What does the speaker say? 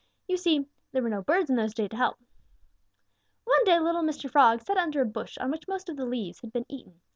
You see, there were no birds in those days to help. One day little Mr. Frog sat under a bush on which most of the leaves had been eaten.